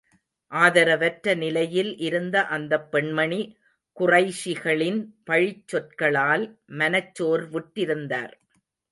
ஆதரவற்ற நிலையில் இருந்த அந்தப் பெண்மணி குறைஷிகளின் பழிச் சொற்களால், மனச் சோர்வுற்றிருந்தார்.